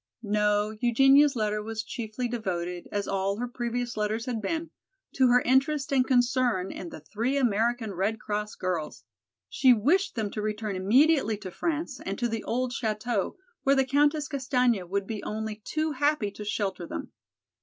No, Eugenia's letter was chiefly devoted, as all her previous letters had been, to her interest and concern in the three American Red Cross girls. She wished them to return immediately to France and to the old chateau, where the Countess Castaigne would be only too happy to shelter them.